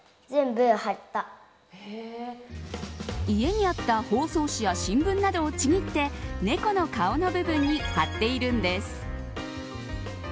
家にあった包装紙や新聞などをちぎって猫の顔の部分に貼っているんです。